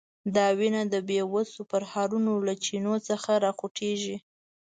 دا وینه د بیوسو پرهرونو له چینو څخه راخوټېږي.